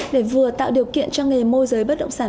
để vừa tạo điều kiện cho nghề môi giới bất động sản